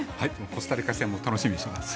コスタリカ戦も楽しみにしています。